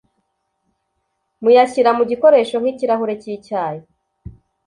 muyashyira mu gikoresho nkikirahure cyicyayi